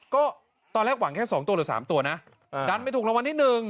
ก็ตอนแรกหวังแค่๒ตัวหรือ๓ตัวนะดันไปถูกรางวัลที่๑